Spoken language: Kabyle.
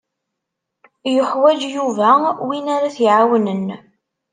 Yuḥwaǧ Yuba win ara t-iɛawnen.